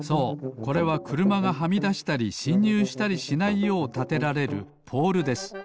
これはくるまがはみだしたりしんにゅうしたりしないようたてられるポールです。